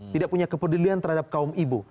tidak punya kepedulian terhadap kaum ibu